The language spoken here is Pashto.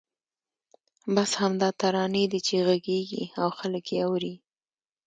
بس همدا ترانې دي چې غږېږي او خلک یې اوري.